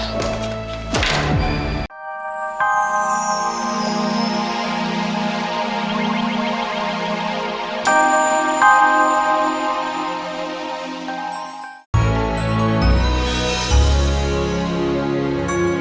sinilah yang kondisinya dia scientific